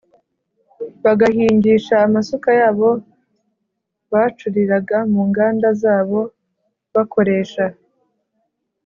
bagahingisha amasuka yabo bacuriraga mu nganda zabo bakoresha